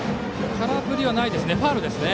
空振りはないですねファウルです。